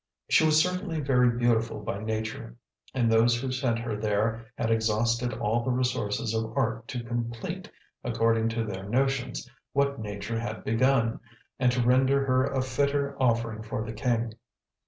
She was certainly very beautiful by nature, and those who sent her there had exhausted all the resources of art to complete, according to their notions, what nature had begun, and to render her a fitter offering for the king.